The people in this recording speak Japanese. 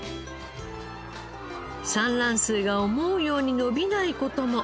産卵数が思うように伸びない事も。